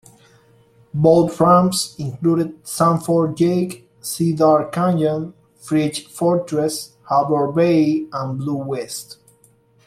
Boat ramps included Sanford Yake, Cedar Canyon, Fritch Fortress, Harbor Bay and Blue West.